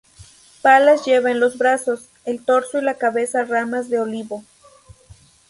Palas lleva en los brazos, el torso y la cabeza ramas de olivo.